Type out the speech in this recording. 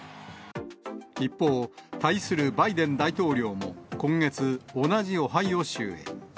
一方、対するバイデン大統領も今月、同じオハイオ州へ。